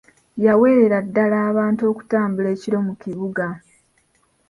Yawerera ddala abantu okutambula ekiro mu Kibuga.